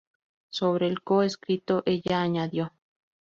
Sobre el co-escrito, ella añadió:.